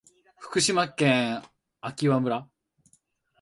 福島県昭和村